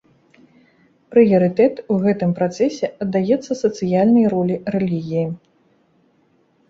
Прыярытэт у гэтым працэсе аддаецца сацыяльнай ролі рэлігіі.